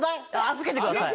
預けてください。